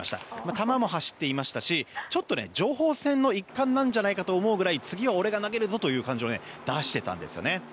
球も走っていましたしちょっと情報戦の一環なんじゃないかと思うぐらい次は俺が投げるぞという感じを出していたんですね。